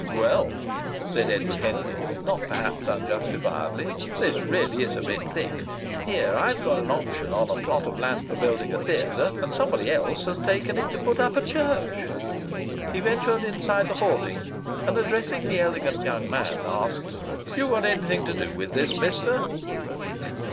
"Well," said Edward Henry, not perhaps unjustifiably, "this really is a bit thick! Here I've got an option on a plot of land for building a theatre, and somebody else has taken it to put up a church!" He ventured inside the hoarding, and addressing the elegant young man asked: "You got anything to do with this, mister?"